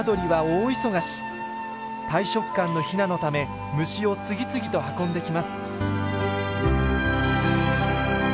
大食漢のヒナのため虫を次々と運んできます。